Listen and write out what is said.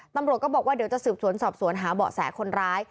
ตำรวจก็บอกว่าเดี๋ยวจะสืบสวนสอบสวนหาเบาะแสคนร้าย